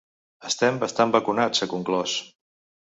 Estem bastant vacunats, ha conclòs.